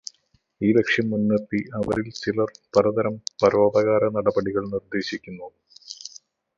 ഈ ലക്ഷ്യം മുൻനിർത്തി അവരിൽ ചിലർ പലതരം പരോപകാരനടപടികൾ നിർദ്ദേശിക്കുന്നു.